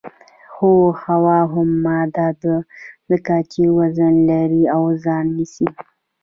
هو هوا هم ماده ده ځکه چې وزن لري او ځای نیسي